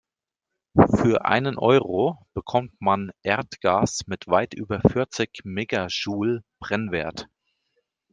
Für einen Euro bekommt man Erdgas mit weit über vierzig Megajoule Brennwert.